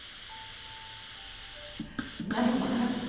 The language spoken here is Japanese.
何をバカなことを！